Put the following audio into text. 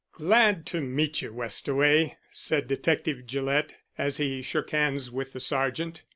"Glad to meet you, Westaway," said Detective Gillett, as he shook hands with the Sergeant.